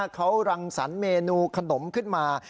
เขารังสรรคเมนูขนมขึ้นมา